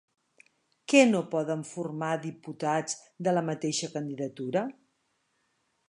Què no poden formar diputats de la mateixa candidatura?